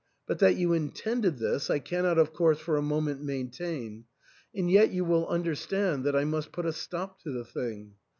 But that you intended this I cannot of course for a moment maintain ; and yet you will understand that I must put a stop to the thing.